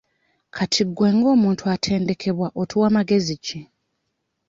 Kati gwe ng'omuntu atendekebwa otuwa magezi ki?